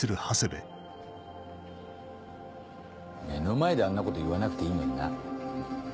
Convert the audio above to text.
目の前であんなこと言わなくていいのにな。